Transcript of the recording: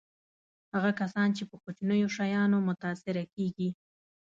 هغه کسان چې په کوچنیو شیانو متأثره کېږي.